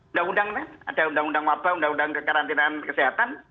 undang undang ada undang undang wabah undang undang kekarantinaan kesehatan